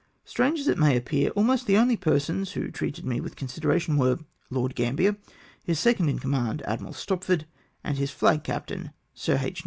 Strange as it may appear, ahnost the only persons who treated me with consideration were Lord Gambler, his second in command. Admiral Stopford, and his flag captain, Sir H.